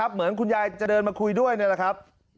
เหมือนคุณยายจะเดินมาคุยด้วยนี่แหละครับ